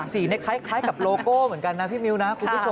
สีเน็กไทซ์คล้ายกับโลโก้เหมือนกันนะพี่มิวนะ